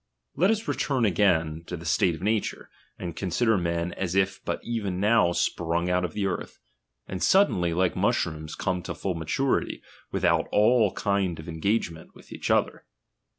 Let us return again to DOMINION. 109 "fhe state of nature, and consider men as if but chap, vrii, even now sprung out of the earth, and suddenly, ^y,^,,,'^,, like mushrooms, come to full maturity, without all '"•■^"■"""'"" Ic ind of engagement to each other.